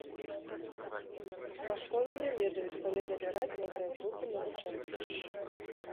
А школы не ведаюць, калі набіраць новыя групы навучэнцаў.